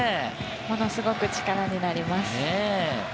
ものすごく力になります。